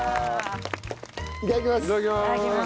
いただきます。